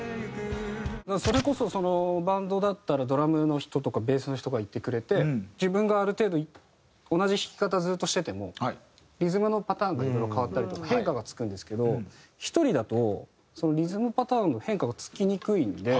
それこそバンドだったらドラムの人とかベースの人がいてくれて自分がある程度同じ弾き方ずっとしててもリズムのパターンがいろいろ変わったりとか変化がつくんですけど１人だとそのリズムパターンの変化がつきにくいんで。